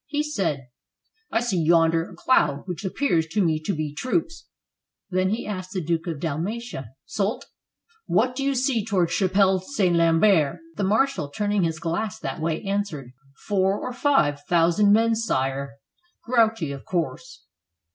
He said: ''I see yonder a cloud which appears to me to be troops." Then he asked the Duke of Dalmatia: "Soult, what do you see toward Chapelle St. Lambert? " The marshal, turning his glass that way, answered, "Four or five thousand men, sire. Grouchy, of course."